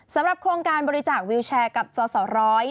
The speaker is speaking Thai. สำหรับโครงการบริจาควิวแชร์กับสสร้อย